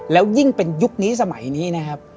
แล้วยิ่งเป็นยุคนี้สมัยนี้นะครับ